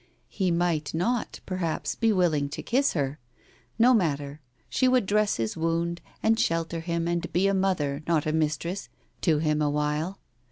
He might not, perhaps, be willing to kiss her. ... No matter, she would dress his wound, and shelter him and be a mother, not a mistress, to him a while.